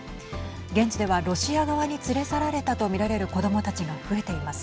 現地ではロシア側に連れ去られたと見られる子どもたちが増えています。